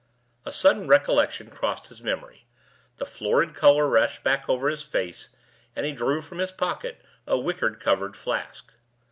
A sudden recollection crossed his memory, the florid color rushed back over his face, and he drew from his pocket a wicker covered flask.